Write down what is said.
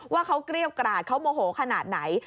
ว่าเขาเกรี้ยวกราดเขาโมโหขนาดไหน